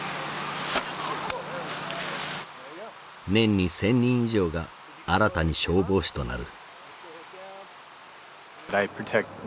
年に１，０００人以上が新たに消防士となる。